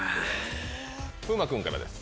風磨君からです。